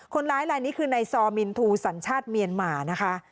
คนร้ายลายนี้คือนายซอร์มินทูสัญชาติเมียนหมานะคะ